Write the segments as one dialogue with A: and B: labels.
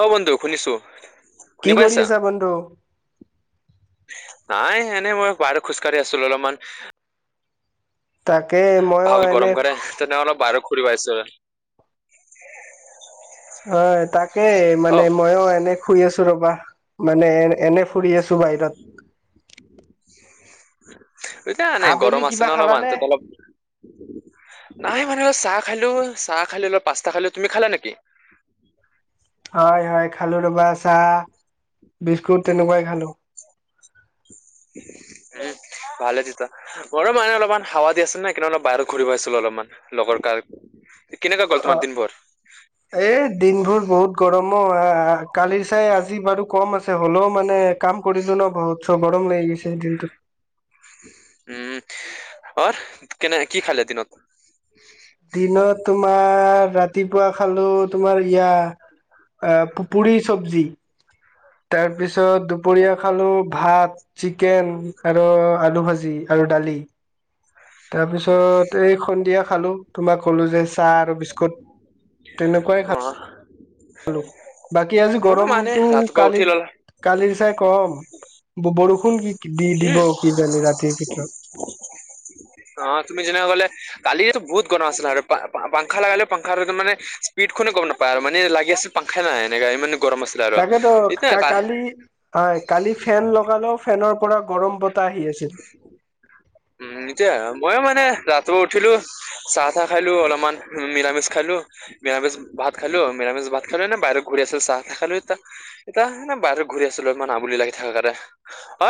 A: অ বন্ধু শুনিছো। শুনি
B: কি কৰি
A: পাইছা
B: আছা বন্ধু
A: নাই এনেই মই বাহিৰত খোজকাঢ়ি আছিলো অলপমান।
B: তাকে মইও
A: ভাল
B: এনে
A: গৰম কৰে তেনেহ অলপ বাহিৰত ঘুৰিব আহিছো।
B: হয় তাকে
A: অ
B: মানে মইও এনে শুই আছো ৰবা মানে এ এনে ফুৰি আছো বাহিৰত।
A: এতিয়া এনে
B: আবেলি
A: গৰম আছে
B: কিবা
A: ন অলপ মান
B: খালানে?
A: টো অলপ নাই মানে। চাহ খালো চাহ খালো অলপ পাস্তা খালো তুমি খালা নেকি।
B: হয় হয় খালো ৰবা চাহ বিস্কুট তেনেকোৱাই খালো।
A: এ ভালে তিতা গৰম মোৰো মানে অলপমান হাৱা দি আছিল না কিন্তু অলপ বাহিৰত ঘূৰিব আছিলো অলপমান লগৰ কাৰ। উ
B: অ এই দিনবোৰ বহুত। গৰমো কালি চাই আজি বাৰু কম আছে হ'লেও মানে কাম কৰিলো ন বহুত চব। গৰম লৈ গৈছে দিনটোত।
A: অ হ কেনে কি খালে দিনত।
B: দিনত তোমাৰ ৰাতিপুৱা খালো তোমাৰ ইয়া পুৰি ছবজি। তাৰ পিছত দুপৰীয়া খালো ভাত, চিকেন, আৰু আলু, ভাজি। ভাজি আৰু দালি। তাৰপিছত এই সন্ধিয়া খালো তোমাক কলো যে চাহ আৰু বিস্কুট। তেনেকুৱাই
A: অ
B: খাল। বাকী আজি
A: অ মানে
B: গৰমতটো
A: ৰাতিপুৱা উঠি ললা
B: কালিত কালিৰ চাই কম। ব বৰষুণ গীত।
A: কি অহ তুমি যেনেকে গ'লে। কালি বহত গৰম আছিল আৰু পা পা পাংসা লাগালে পাখা মানে স্পীড খনে গম নাপায় আৰু মানে লাগি আছিল পাংসা। খে নাই এনেকা ইমানো।
B: তাকেতো কা কালি হয় কালি ফেন লগালেও ফেনৰ পৰা গৰম পতৰ। তাই আহি আছিল।
A: উম এতিয়া মই মানে ৰাতিপুৱা উঠিলো চাহ, - তাহ খাইলো অলপমান মিলা -মিচ খাইালো। মৰামিচ ভাত, খালোঁ মৰামিচ ভাত খালে নে বাহিৰত ঘূৰি আছিল চাহ- তাহ খালো এটা এতিয়া এতিয়ানে বাহ। ঘুৰি আছিলো ইমান আমনি লাগি থাকা কাৰণে অ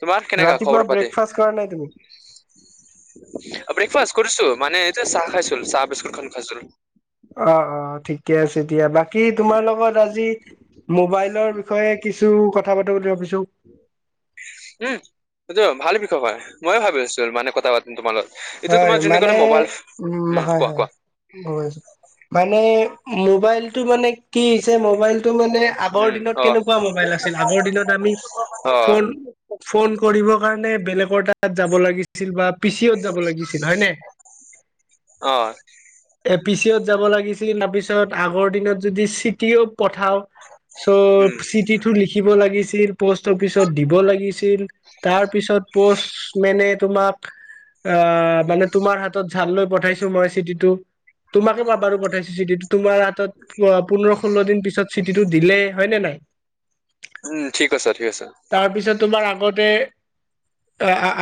A: তোমাক কেনেকা
B: ৰাতিপুৱা
A: খবৰ- পাতি।
B: ব্ৰেকফাষ্ট কৰা নাই তুমি?
A: ব্ৰেকফাষ্ট কৰিছো মানে এতিয়া চাহ খাইছিল চাহ বিস্কুট খ খাইছিলো।
B: অ অ ঠিকে আছে এতিয়া বাকী তোমাৰ লগত আজি মোবাইলৰ বিষয়ে। কিছু কথা পাতো বুলি ভাবিছোঁ।
A: উম সটো ভাল বিষয় হয় ময়ে ভাবি আছিলো মানে কথা পাতিম তোমাৰ লগত। এইটো
B: হয়
A: তোমাৰ যোনে ক'লে
B: মানে
A: মোবাইল
B: উম হয়
A: কোৱা
B: হয়
A: কোৱা
B: ভ ইছ- মানে মোবাইলটো মানে কি ইচে মবাইল। তো মানে আগৰ
A: উম
B: দিনত
A: অ
B: কেনেকুৱা মোবাইল আছিল আগৰ দিনত আমি
A: অ
B: ফন ফন কৰি। ৰ কাৰণে বেলেগৰ তাত যাব লাগিছিল বা পিছি। যাব লাগিছিল হয় নে।
A: অ
B: এ পি চি অত যাব লাগিছিল তাৰপিছত আগৰ দিনত যদি চিটি অ'। পঠাও চ'
A: উম
B: চিটিটো লিখিব লাগিছিল। প'ষ্ট অফিচত দিব লাগিছিল তাৰ পিছত পষ্ট মনে তোমাক। আহ মানে তোমাৰ হাতত চাল লৈ পঠাইছো মই চিটিটো। তোমাকে বাবাৰু পঠাইছে চিটো তোমাৰ হাতত অ পোন্ধৰ- ষোল্ল দিন পিছত। চিতিটো দিলে হয় নে নাই।
A: উম ঠিক আছ ঠিক আছে।
B: তাৰপিছত তোমাৰ আগতে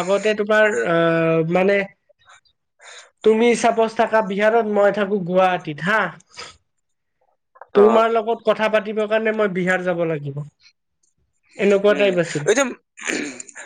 B: আগতে তোমাৰ আ। মানে তুমি হ চাপচ। থকা বিহাৰত মই থাকো গুৱাহাটীত হা
A: অ
B: তোমাৰ লগত কথা পাতি। দিবৰ কাৰণে মই বিহাৰ যাব লাগিব। এনেকুৱা
A: উম
B: টাইপ আছিল
A: এইটো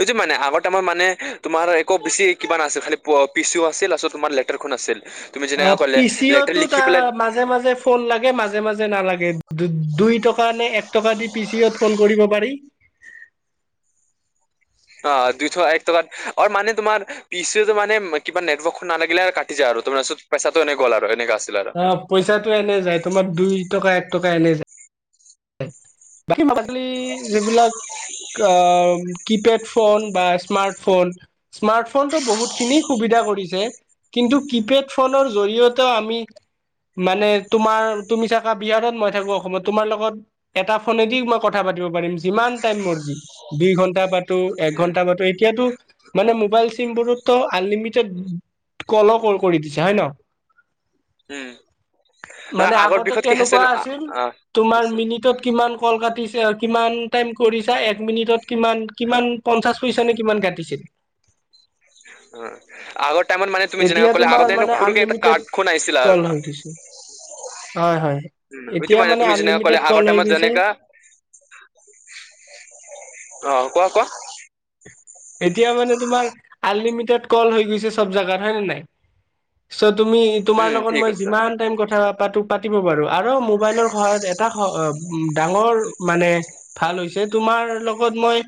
A: এইটো মানে আগতেমাৰ মানে তোমাৰ এক। আকৌ বেছি কিবা আছিল খালি পিচিও আছিল আ তোমাৰ লেটাৰখন আছিল। তুমি
B: অ
A: যেনেকা ক'লে লেটাৰ
B: পিচিয়তো
A: লিখি
B: তাৰ
A: পেলাই
B: মাজে মাজে ফোন লাগে মাজে মাজে নালাগে দু দুইটা। নে এক টকা দি পিচিয়ত ফোন কৰিব পাৰি।
A: অ দুইশ এক টকাত আৰ মানে তোমাৰ পিচি মানে কিবা নেটৱৰ্কখন নালাগিলে কাটি যায়। আৰ। পচাটো এনে গ'ল আ।
B: অ পইচাটো এনে যায় তোমাৰ দুই টকা এক টকা এনে যায়। হিমা মাছলি যিবিলাক। আ কিপেড ফোন বা স্মাৰ্ট ফোন। স্মাৰ্টফোনতটো বহুতখিনি সুবিধা কৰিছে। কিন্তু কিপেড ফোনৰ জৰিয়তে আমি মানে তোমাৰ তুমি থাকা বিহাৰত মই থাকো অসমত তোমাৰ লগত এটা ফোনেদি মই কথা পাতিব পাৰিম যিমান টাইম ম যি দুই ঘন্টা প
A: উম
B: একঘণ্টা তা মতে এতিয়া টোৰ মোবাইল চিম বোৰত টো আনলিমিটেড। কল কৰি দিছে হয়। ন
A: উম
B: মানে
A: নহয় আগৰ
B: আগতে
A: বিষয়ত কি
B: কেনেকুৱা আছিল।
A: আহ
B: তোমাৰ মিনিটত কিমান কল কাটিছে কিমান টাইম কৰিছা এক মিনিটত কিমান কিমান। পঞ্চাশ পইচা নে কিমান কাটিছিল।
A: অ আগতে। তন মে তুমি যেনেকা
B: এতিয়া
A: কৰিলে
B: তোমাৰ
A: আগতে
B: মানে
A: সৰু কে এটা
B: আনলিমিটেড
A: কাৰ্ডখন আহিছিলা উ
B: কল হৈ গৈছে হয় হয়
A: ইটো
B: এতিয়া
A: মান
B: মানে
A: তুমি যে ন কলে
B: আনলিমিটেড
A: আগৰ
B: কল হৈ
A: টাইমত
B: গৈছে
A: জেনেকা অ কোৱা কোৱা।
B: এতিয়া মানে তোমাৰ আনলিমিটেড কল হৈ গৈছে চব জাগাত হয় ন নাই। তুমি তোমাৰ
A: উম
B: লগত
A: ঠিক
B: মই
A: আছে
B: যিমান টাইম কথা প পাতিব পাৰো আৰু মোবাইলৰ সহায়ত এটা। উ ডাঙৰ মানে ভাল হৈছে তোমাৰ লগত মই।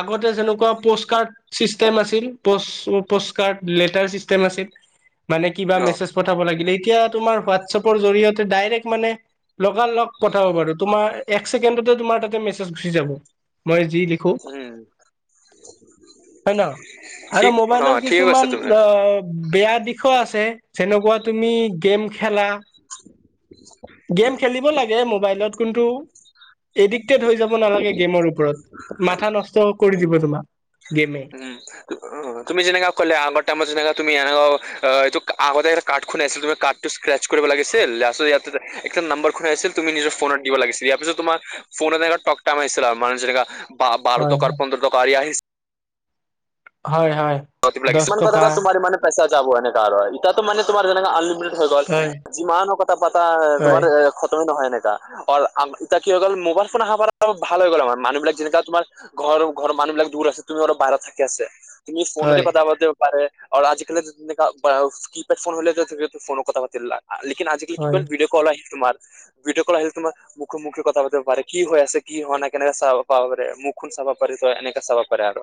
B: আগতে যেনেকুৱা। পষ্ট কাৰ্ড চিষ্টেম আছিল পষ্ট কাৰ্ড লেটাৰ চিষ্টেম আছিল। মানে কিবা
A: অ
B: মেছেজ পঠাব লাগিলে এতিয়া তোমাৰ হোৱাটছএপ জৰিয়তে মানে। লগা লগ পঠাব পাৰো তোমাৰ একচেকেণ্ড তোমাৰ মেছেজ গুচি যাব। যি লিখো
A: উম।
B: হয় ন আৰু
A: ঠিক অ
B: মোবাইলৰ
A: ঠিক আছে
B: কিছুমান
A: তুমি
B: অ বেয়া। দিশ আছে যেনেকুৱা তুমি গেম খেলা। গেম খেলিব লাগে মোবাইলত কিন্তু এদি। ক্ৰিকেট হৈ যাব নালাগে গেমৰ ওপৰত। মাথা নষ্ট
A: [unintelligible]
B: কৰি দিব তোমাক। গেমে
A: উম উ তুমি যেনেকা কলে আগৰ টাইমত যেনেকা তুমি এনেকা। অ এইটো আগতে একটা কাৰ্ড খনে আছিল তুমাৰ কাৰ্ডটো স্ক্ৰেচ কৰিব লাগিছিল এক নাম্ব খন আছিল। তুমি নিজৰ ফোনত দিব লাগিছিল ইয়াৰ পিছ তোাৰ ফোনত এনে ট টামিছিল আৰু মানে যেনেকা। বাৰ
B: হয়
A: টকাৰ
B: হয়
A: পন্ধৰ টকাৰি আহি।
B: হয়। হয়
A: অ কিব
B: দহ
A: লাগিছিল, কিছুমান
B: টকা
A: কথাটো তোমাৰ মানে পইচা যাব হেনেকা আৰু ইতিয়াটো মানে তোমাৰ যেনেকা অনলিমি হৈ গল,
B: হয়
A: যিমানো কথা পাতা তোমাৰ
B: হয়
A: এ খতমে নহয়। এনে তা অল আমি এতিয়া কি হৈ গ'ল মোবাইল ফোন আহাৰ পৰা ভাল হৈ গ'ল আমাৰ মানুহবিলাক যেনেকা তোমাৰ ঘৰ ঘৰ মানুহবিলাক দুৰ আছে তুমি অলপ বাহিৰত থাকি আছে। ফোনোতে
B: হয়
A: কথা পাতিব পাৰে আৰু আজিকালিৰ যে যেনেকা ব্ৰাউচ কিপেড ফোন হলেটো ফোনো কথা পাতি লাগ আজি আজিকাল
B: হয়
A: কিমান ভিডঅ কল আহে। তোমাৰ ভিডিঅ' কল আহে তোমাৰ মুখে মুখে কথা পাতিব পাৰে কি হৈ আছে কি হোৱা নাই কেনেকে চাব পাৰে। মুখ চাবা পাৰি এনেকে চাবা পাৰি আৰু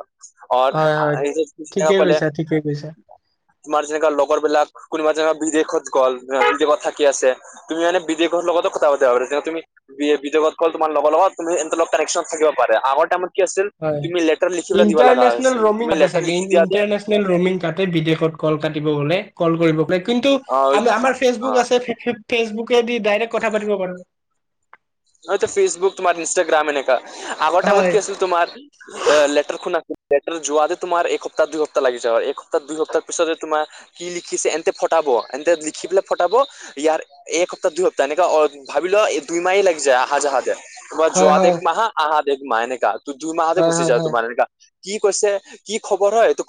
A: এই যে।
B: ঠিকে কৈছা ঠিকে কৈছা।
A: তোমাৰ যেনেকুৱা লগৰ বিলাক কোনোবা যেনেকুৱা বিদেশত গ'লা থাকি আছে তুমি মানে বিদেশত। লগত কথা পাব পাৰে তুমি বিদেশৰ ক'ত তোমাৰ লগৰ তুমি এ কানকশ্যন থাকিব পাৰে আগৰ তাইমত। আছে
B: হয়
A: তুমি লেট লিখিব দিব লাগ
B: ইণ্টাৰনেচনেল
A: আছিল
B: ৰমিং
A: তুমি
B: কাটে
A: লেট
B: চাগে
A: লিখিব।
B: ইণ্টাৰনেচনেল ৰমিং কাট বিদেশত কল কাটিব গলে কল কৰিব। কিন্তু আমি
A: অ
B: আমাৰ ফেচবুক
A: অ
B: আছে ফেচবুকেদি ডাইৰেক্ কথা পাতিব পাৰো।
A: ন ফেচবুক তোমাৰ ইনষ্টাগ্ৰামে এনেকা। আগৰ টাইমত
B: হয়
A: কি আছিল তোমাৰ লেটাৰ খন আছিল। লেটাৰ যোৱা তোমাৰ একসপ্তাহ দুই সপ্তাহ লাগি যায় আৰু একসপ্তাহ দুই সপ্তাহ পিছতে তোমাৰ কি লিখিছে এতে ফাত। এ লিখি পেলাই ফটাব ইয়াৰ এসপ্তাহ দুই সপ্তাহ এনেকা অ ভাবিল দুইমাহ লাগে। যায় আহ যাহ যায়
B: হয়
A: যহাত
B: হয়
A: এক মাহা আহহাত এক মা এনে কা। তোৰ দুই মাহতে
B: হয়
A: গুচি
B: হয়
A: যা
B: হয়
A: তোমাৰ এনেকুৱা কি কৈছে কি খবৰ হয় তোক।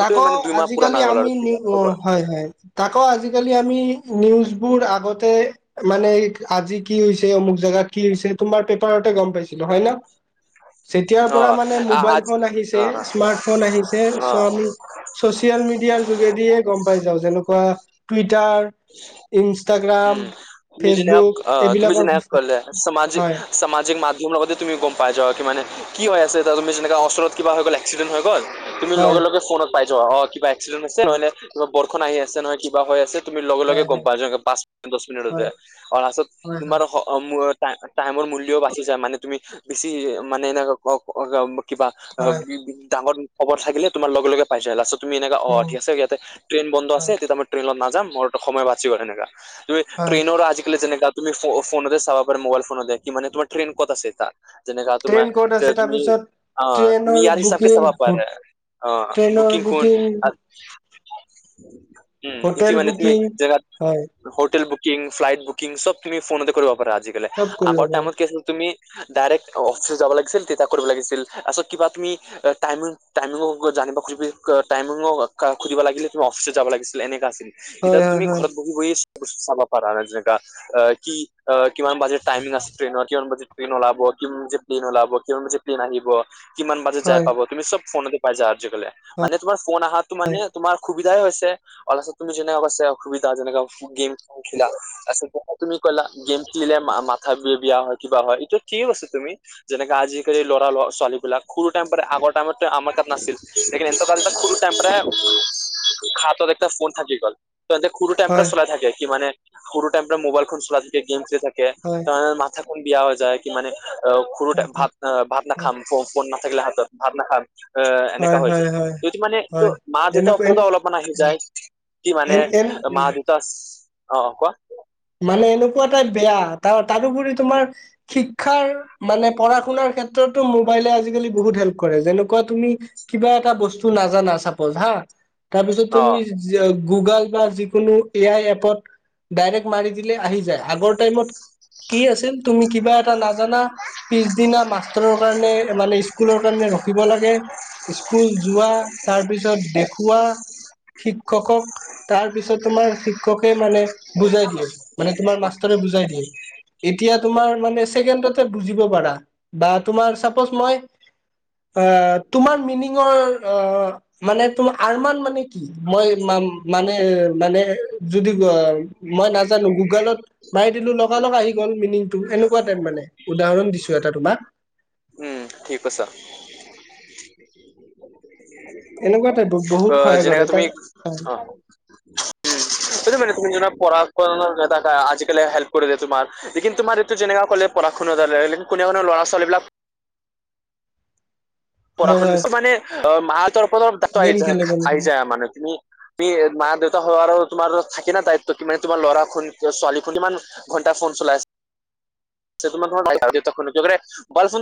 B: তাকো আজিকালি আমি নি
A: খবৰ
B: হয়-হয় তাকো আজিকালি আমি। নিউজবোৰ আগতে মানে আজি কি হৈছে অমুক জেগাত কি হৈছে তোমাৰ পেপাৰত। গম পাইছিলো হয় ন। যেতিয়াৰ
A: অ
B: পৰা মানে
A: আ
B: মোবাইল ফোন আহিছে, স্মাৰ্ট ফোন আহিছে।
A: অ অ
B: আমি চচিয়েল মিডিয়াৰ যোগেদিয়ে গম পাই যাওঁ। যেনেকুৱা টুইটাৰ ইনষ্টাগ্ৰাম
A: উম, তুমি যেনেকা
B: ফেচবুক
A: আ তুমি
B: এইবিলাকৰ
A: যিনেকা কলে সমাজিক-
B: হয়
A: সামাজিক মা টিম লগতে তুমি গম পাই যোৱা কি মানে কি হৈ আছে তা তুমি যেনেকুৱা ওচৰত কিবা হৈ গ'ল একসিডেণ্ট হৈ গল তুমি
B: হয়
A: লগে-লগে ফোনত পাই যাবা অ কিবা এক্সিডেণ্ট আছে নহয় নে কিবা বৰষুণ আহি আছে, নহয় কিবা হৈ আছে? তুমি লগে-লগে
B: হয়
A: গম পায় যোৱা পাঁচ দশ মিনিট হতে
B: হয় হয়
A: অ আচত
B: হয়
A: তোমাৰ
B: হয়
A: হ অ মোৰ টা-টাইমৰ মূল্যও বাচি যায় মানে তুমি বেছি মানে এনে [inaudible] কিবা, অ
B: হয়
A: ডাঙৰ খবৰ থাকিলে তোমাৰ লগে-লগে পাই যায় লাষ্টত তুমি এনেকা অ
B: উম
A: উঠি আছে ইয়াতে ট্ৰেইন বন্ধ আছে
B: হয়
A: তেতিয়া মই ট্ৰেইনত নাযাম মোৰ সময় বাচি গ'ল হেনেকা। তুমি
B: হয়
A: ট্ৰেইনৰ আজিকালি যেনেকা তুমি ফ-ফোনতে চাব পৰা মোবাইল ফোনতে কি মানে তোমাৰ ট্ৰেইন কত আছে এতিয়া? যেনেকা তোমাৰ
B: ট্ৰেইন ক'ত
A: যে
B: আছে
A: তুমি
B: তাৰপিছত
A: অ তুমি
B: ট্ৰেইনৰ
A: ইয়াৰ হিচাপকে
B: বুকিং
A: চাবা পাৰা, অ বুকিং কোন আ উম উঠি
B: হোটেল
A: মানে তুমি
B: বুকিং
A: জেগাত
B: হয়
A: hotel book booking, flight booking চব তুমি ফোনতে কৰিব পাৰা আজিকালি,
B: চব কৰিব
A: আগৰ
B: পাৰো
A: টাইমত কি আছিল তুমি ডাইৰেক্ট অফিচ যাব লাগিছিল তেতিয়া কৰিব লাগিছিল আচত কিবা তুমি টাইমিং-টাইমিং ওপৰত যা আনিব খুজিবি ক টাইমিঙো সুধিব লাগিলে তুমি অফিচত যাব লাগিছিল এনেকা আছিল। এতিয়া
B: হয়
A: তুমি
B: হয়
A: ঘৰত বহি বহিয়েই বস্তু চাবা পাৰা না যেনেকা আহ কি আহ কিমান বাজাত টাইমিং আছে ট্ৰেইনৰ, কিমান বাজিত ট্ৰেইন ওলাব, কিমান বাজিত প্লেইন ওলাব, কিমান বাজিত প্লেন আহিব কিমান বাজাত যাই
B: হয়
A: পাব? তুমি চব ফোনতে পাই যাবা আজিকালি মানে তোমাৰ ফোন অহাটো মানে তোমাৰ সুবি সুবিধা হৈছে অলচ তুমি যেনেকা পাইছি অসুবিধা যেনেকা গেম খেলিলা তাৰপিছত তুমি কলা গেম খেলিলে মা-মা থাপি বিয়া হয় কিবা হয় এইটো ঠিকে কৈছে তুমি, যেনেকা আজিকালি ল'ৰা ল-ছোৱালীবিলাক সৰু টাইম পৰাই আ আগৰ টাইমতে আমাৰ তাত নাছিল, লেকেন এহঁতৰ টাইমত খুব এম্প্ৰে হাতত একটা ফোন। থাকি গল, তেহেঁতে সৰু টাইম পৰা
B: হয়
A: চলাই থাকে কি মানে সৰু টাইম পৰাই মোবাইল ফোন চলাই থাকে, গেম খেলি থাক কে
B: হয়
A: তাৰমানে মাথা কোন বিয়া হৈ যায়, কি মানে অ সৰু
B: হয় হয়
A: টাইম
B: হয়
A: ভাত আ ভাত নাখাম ফোন না নাথাকিলে হাতত ভাত নাখাম। এ এনেকা
B: হয়
A: হৈছে
B: হয় হয় হয়
A: যদি মানে এইটো
B: হয়
A: মা-দেউতাৰ
B: এনেকুৱা এন
A: ওপৰতো অলপমান আহি যায়। কি মানে
B: এন এন উম,
A: মা-দেউতা অ কোৱা?
B: মানে এনেকুৱা এটাই বেয়া তা-তাৰোপৰি তোমাৰ শিক্ষাৰ মানে পঢ়া-শুনাৰ ক্ষেত্ৰত ক্ষেত্ৰতো মোবাইলে আজিকালি বহুত হেল্প কৰে যেনেকুৱা তুমি কিবা এটা বস্তু নাজানা চাপজ হা তাৰপিছত
A: অ
B: তুমি জি গুগল বা যিকোনো এ আই এপত ডাইৰেক্ট মাৰি দিলে আহি যায়, আগৰ টাইমত কি আছিল তুমি কিবা এটা নাজানা পিছদিনা মাষ্টৰৰ কাৰণে মানে স্কুলৰ কাৰণে ৰখি ৰখিব লাগে স্কুল যোৱা, তাৰ পিছত দেখুওৱা শিক্ষকক তাৰ পিছত তোমাৰ শিক্ষকে মানে বুজাই দিয়ে মানে তোমাৰ মাষ্টৰে বুজাই দিয়ে, এতিয়া তোমাৰ মানে ছেকেণ্ডতে বুজিব পাৰা বা তোমাৰ চাপ‌ছ মই আহ তোমাৰ মিনিঙৰ আহ মানে তোমাৰ আৰমান মানে কি? মই মা-মানে-মানে যদি অ মই নাজানো গুগলত মাৰি দিলো লগা-লগ আহি গ'ল মিনিংটো এনেকুৱা টাইপ মানে উদাহৰণ দিছো এটা। তোমাৰ
A: উম ঠিক কৈছা।
B: এনেকুৱা টাইপ বহুত
A: অ
B: সহায় কৰে
A: যেনেকা
B: এটা
A: তুমি অ উম। সেইটো মানে তুমি জনা পঢ়া কনক এটা এটা আজিকালি হেল্প কৰিলে তোমাৰ, লেকিন তোমাৰ এইটো যেনেকা কলে পঢ়া শুনালে লেকিন কোনে কোনে লৰা ল'ৰা- ছোৱালীবিলাক
B: হয়
A: পঢ়াখন
B: হয়
A: বেছি মানে অ মাহতৰ ফলত ডাক্তৰ আহি
B: গেম
A: যায়
B: খেলে গেম
A: আহি
B: খেলে
A: যায় মানে তুমি তুমি মা-দেউ তহ আৰু তোমাৰ থাকে না দায়িত্ব কি মানে তোমাৰ ল'ৰাখন- ছোৱালীখন ইমান ঘণ্টা ফোন চলাই আছে [unintelligible] তোমাক মোবাইল ফোন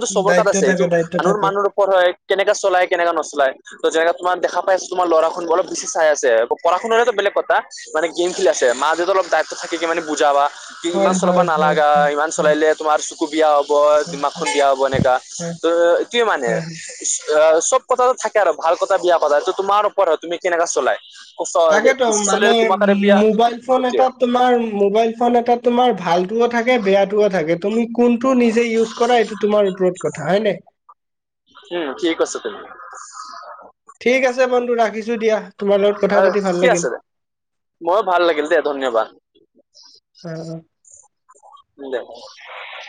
A: টো চবৰ তাত
B: দায়িত্ব
A: আছে এইটো
B: থাকে দায়িত্ব
A: মানুহ
B: থাকে
A: মানুহৰ কৰ হয় কেনেকা চলায় কেনেকা নচলায়। ত যেনেকা তোমাক দেখা পাইছোঁ তোমাৰ ল'ৰাখন অলপ বেছি চাই আছে পঢ়ি-শুনাৰো বেলেগ কথা মানে গেম খেলি আছে। মা -দেউতা অলপ দায়িত্ব থাকে কি মানে বুজাবা কি
B: হয়
A: ইমান
B: হয়
A: চলাবা
B: হয়
A: নালাগা
B: হয়
A: ইমান-
B: হয়
A: চলালে তোমাৰ চকু বিয়া হ'ব
B: হয়
A: দিমাক খন বিয়া হ'ব এনেকা
B: হয়
A: ত এইটোয়ে মানে।
B: হয় হয়
A: অ চব কথাটে থাকে আৰু ভাল কথা বিয়া কথা সেটো তোমাৰ ওপৰত তুমি কেনেকা চলাই।
B: তাকেতো
A: বেছি
B: মানে
A: চলিলে তোমাকাৰে বিয়া
B: মোবাইল ফোন
A: সেইটোৱে
B: এটা তোমাৰ মোবাইল ফোন এটা তোমাৰ ভাল। টুও থাকে বেয়াটোও থাকে তুমি কোনটো নিজে ইউজ কৰা এইটো তোমাৰ ওপৰত কথা হয় নাই।
A: উম ঠিক [unintelligible]
B: ঠিক আছে বন্ধু ৰাখিছোঁ দিয়া তোমাৰ লগত কথা পাতি ভাল লাগিল।
A: গইয়ো ভাল লাগিল দে ধন্যবাদ।
B: অ অ
A: উম দে।